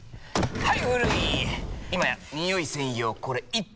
はい！